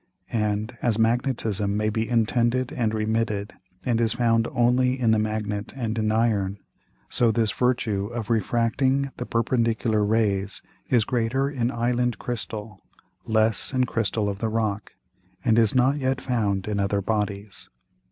And as Magnetism may be intended and remitted, and is found only in the Magnet and in Iron: So this Virtue of refracting the perpendicular Rays is greater in Island Crystal, less in Crystal of the Rock, and is not yet found in other Bodies.